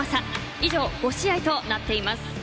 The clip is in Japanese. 以上５試合となっています。